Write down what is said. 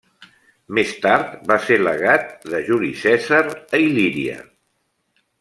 Més tard va ser legat de Juli Cèsar a Il·líria.